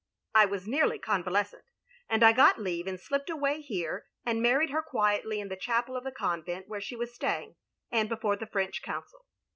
I was nearly convalescent, and I got leave and slipped away here, and married her quietly in the chapel of the convent where she was staying, and before the French Consul.